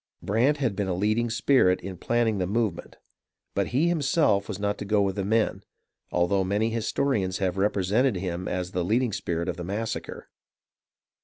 Brant had been a leading spirit in planning the move ment ; but he himself was not to go with the men, although many historians have represented him as the leading spirit of the massacre.